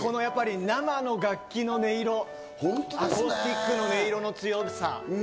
生の楽器の音色、アコースティックの音色の強さ。